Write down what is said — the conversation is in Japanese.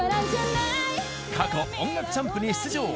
過去『音楽チャンプ』に出場。